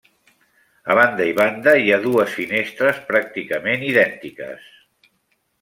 A banda i banda hi ha dues finestres pràcticament idèntiques.